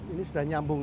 ini sudah nyambung